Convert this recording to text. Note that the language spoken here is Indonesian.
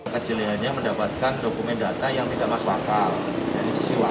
kejadiannya mendapatkan dokumen data yang tidak mas bakal dari sisi waktu